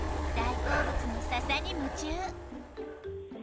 大好物の笹に夢中。